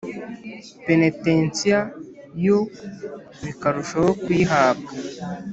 penetensiya yo bikarushaho kuyihabwa